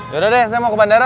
yaudah deh saya mau ke bandara